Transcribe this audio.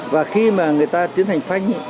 và khi mà người ta tiến hành phanh